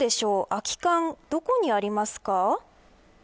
空き缶どこにありますか。